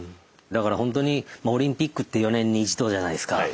だからほんとにまあオリンピックって４年に一度じゃないですか。